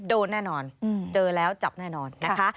โดนแน่นอนเจอแล้วจับแน่นอนนะคะ